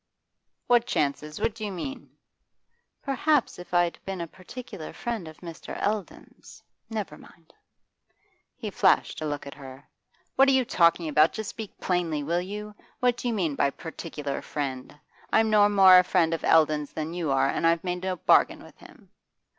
'What chances? What do you mean?' 'Perhaps if I'd been a particular friend of Mr. Eldon's never mind.' He flashed a look at her. 'What are you talking about? Just speak plainly, will you? What do you mean by "particular friend"? I'm no more a friend of Eldon's than you are, and I've made no bargain with him.